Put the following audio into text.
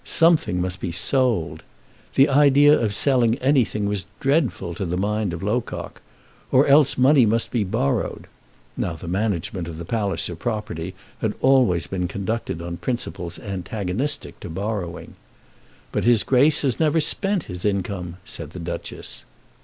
Something must be sold! The idea of selling anything was dreadful to the mind of Locock! Or else money must be borrowed! Now the management of the Palliser property had always been conducted on principles antagonistic to borrowing. "But his Grace has never spent his income," said the Duchess.